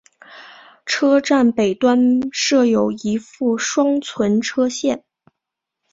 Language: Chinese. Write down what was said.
车站北端设有一副双存车线。